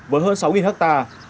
với hơn sáu hectare